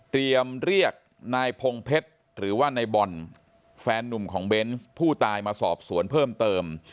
เรียกนายพงเพชรหรือว่านายบอลแฟนนุ่มของเบนส์ผู้ตายมาสอบสวนเพิ่มเติม